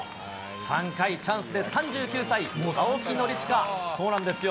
３回、チャンスで３９歳、青木宣親、そうなんですよ。